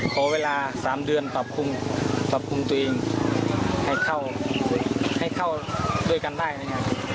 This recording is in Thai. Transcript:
ขอเวลา๓เดือนปรับคุมตัวเองให้เข้าให้เข้าด้วยกันได้นะครับ